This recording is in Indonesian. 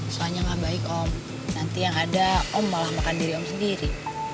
soalnya nggak baik om nanti yang ada om malah makan diri om sendiri